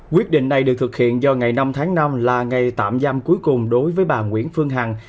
quyết định này được thực hiện do ngày năm tháng năm là ngày tạm giam cuối cùng đối với bà nguyễn phương hằng